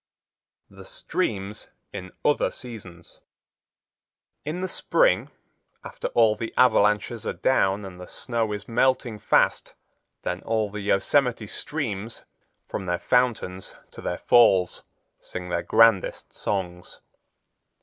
The Streams In Other Seasons In the spring, after all the avalanches are down and the snow is melting fast, then all the Yosemite streams, from their fountains to their falls, sing their grandest songs.